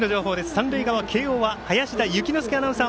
三塁側、林田幸之介アナウンサー